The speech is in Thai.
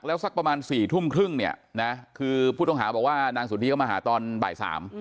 แล้วสักประมาณ๔ทุ่มครึ่งเนี่ยนะคือผู้ต้องหาบอกว่านางสนทิก็มาหาตอนบ่าย๓